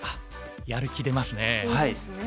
やる気出ますね。